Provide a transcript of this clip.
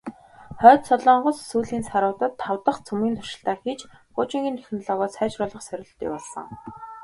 Хойд Солонгос сүүлийн саруудад тав дахь цөмийн туршилтаа хийж, пуужингийн технологио сайжруулах сорилт явуулсан.